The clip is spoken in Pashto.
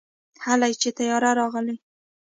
هلئ چې طيارې راغلې.